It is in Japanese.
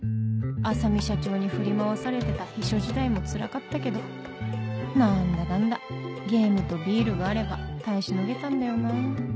浅海社長に振り回されてた秘書時代もつらかったけど何だかんだゲームとビールがあれば耐えしのげたんだよなぁ